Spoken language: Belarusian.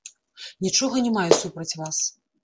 Нічога не маю супраць вас.